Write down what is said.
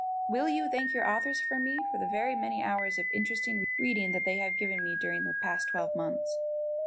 Will you thank your Authors for me for the very many hours of interesting reading they have given me during the past twelve months?